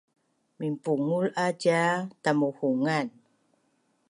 minpungul a cia tamuhungan